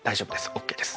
ＯＫです。